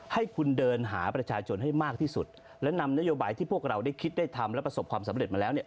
ให้คุณเดินหาประชาชนให้มากที่สุดและนำนโยบายที่พวกเราได้คิดได้ทำและประสบความสำเร็จมาแล้วเนี่ย